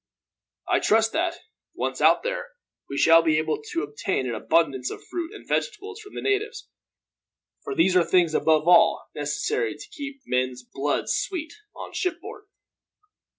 "I trust that, once out there, we shall be able to obtain an abundance of fruit and vegetables from the natives; for these are things, above all, necessary to keep men's blood sweet on shipboard.